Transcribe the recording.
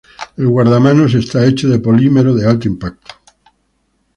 El guardamanos está hecho de polímero de alto impacto.